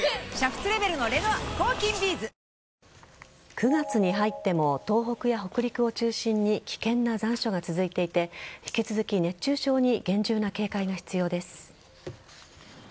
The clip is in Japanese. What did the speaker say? ９月に入っても東北や北陸を中心に危険な残暑が続いていて引き続き熱中症に厳重な警戒が必要です。